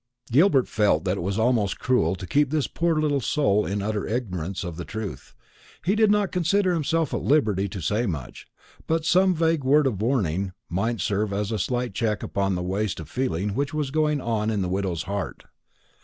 Gilbert felt that it was almost cruel to keep this poor little soul in utter ignorance of the truth. He did not consider himself at liberty to say much; but some vague word of warning might serve as a slight check upon the waste of feeling which was going on in the widow's heart.